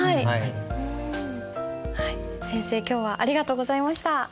先生今日はありがとうございました。